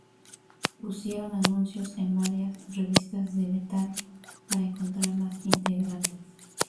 Pusieron anuncios en varias revistas de metal para encontrar más integrantes.